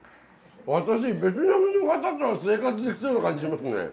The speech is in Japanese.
私ベトナムの方とは生活できそうな感じしますね。